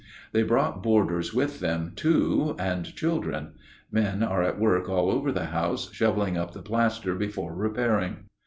They brought boarders with them too, and children. Men are at work all over the house shoveling up the plaster before repairing.